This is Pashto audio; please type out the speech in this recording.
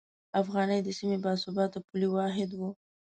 افغانۍ د سیمې باثباته پولي واحد و.